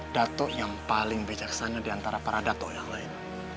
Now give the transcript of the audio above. dato yang paling bijaksana diantara para dato yang lain